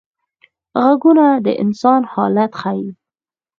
غږونه د انسان حالت ښيي